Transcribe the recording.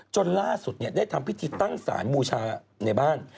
จนล่าสุดได้ทำพิธีตั้งสารบูชาในบ้าน